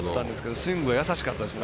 スイングはやさしかったですね。